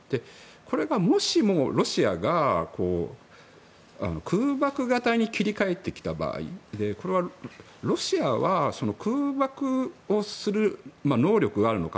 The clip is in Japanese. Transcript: これがもしも、ロシアが空爆型に切り替えてきた場合ロシアは空爆をする能力があるのか。